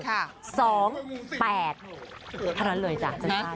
ถัดละเลยจ้ะ